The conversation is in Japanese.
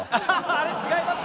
あれ違います？